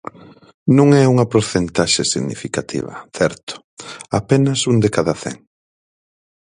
Non é unha porcentaxe significativa, certo, apenas un de cada cen.